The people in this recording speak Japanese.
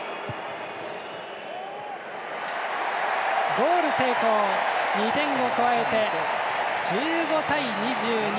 ゴール成功２点を加えて１５対２２。